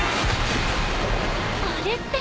あれって。